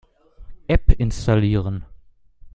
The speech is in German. App installieren.